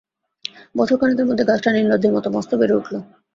বছরখানেকের মধ্যে গাছটা নির্লজ্জের মতো মস্ত বেড়ে উঠল।